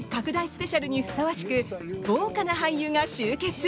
スペシャルにふさわしく豪華な俳優が集結。